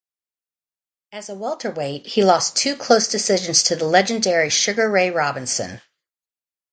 As a welterweight he lost two close decisions to the legendary Sugar Ray Robinson.